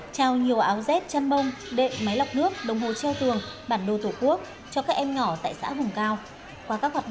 trao nhiều áo rét chăn bông đệ máy lọc nước đồng hồ treo tường bản đồ tổ quốc cho các em nhỏ tại xã vùng cao